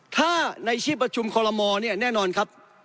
ถ้าในที่ประชุมคอลโมเนี่ยแน่นอนครับ